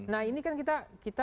nah ini kan kita